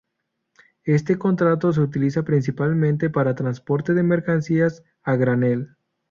Este contrato se utiliza principalmente para transporte de mercancías a granel.